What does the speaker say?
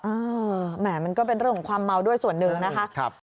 อ้าวแหมมันก็เป็นเรื่องความเมาด้วยส่วนหนึ่งนะครับ